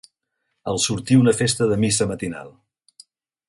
Al sortir una festa de missa matinal